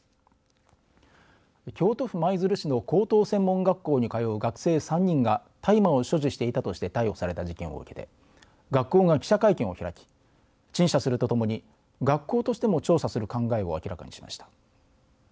京都府舞鶴市の高等専門学校に通う学生３人が大麻を所持していたとして逮捕された事件を受けて学校が記者会見を開き陳謝するとともに学校としても調査する考えを明らかにしました。